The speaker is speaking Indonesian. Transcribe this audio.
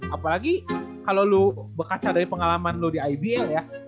apalagi kalo lu bekaca dari pengalaman lu di ibl ya